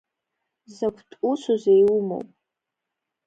Закәтә усузеи иумоу?